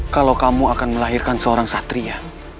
kalau kamu akan melahirkan seorang satria